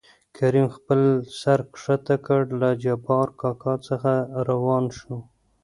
کريم خپل سر ښکته کړ له جبار کاکا څخه راوان شو.